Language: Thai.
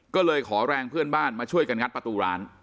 ก็เลยขอแรงเพื่อนบ้านมาช่วยกันงัดประตูร้าน